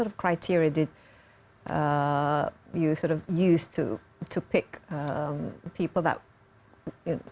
apa kriteria yang anda gunakan untuk memilih orang